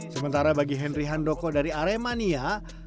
sementara bagi henry handoko dari aremania